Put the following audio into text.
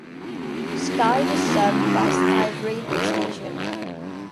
Skive is served by Skive railway station.